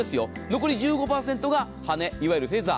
残り１５％が羽根いわゆるフェザー。